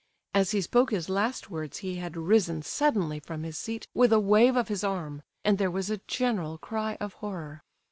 As he spoke his last words he had risen suddenly from his seat with a wave of his arm, and there was a general cry of horror.